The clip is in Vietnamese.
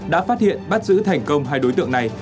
đã phát hiện bắt giữ thành công hai đối tượng này